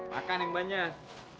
makan yang banyak